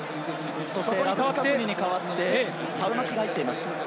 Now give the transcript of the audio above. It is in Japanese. そして、ラブスカフニに代わってサウマキが入っています。